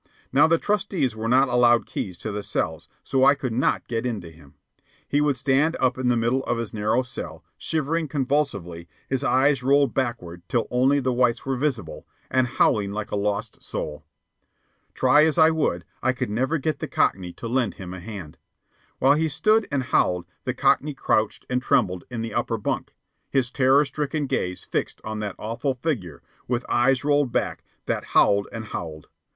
Now the trusties were not allowed keys to the cells, so I could not get in to him. He would stand up in the middle of his narrow cell, shivering convulsively, his eyes rolled backward till only the whites were visible, and howling like a lost soul. Try as I would, I could never get the Cockney to lend him a hand. While he stood and howled, the Cockney crouched and trembled in the upper bunk, his terror stricken gaze fixed on that awful figure, with eyes rolled back, that howled and howled.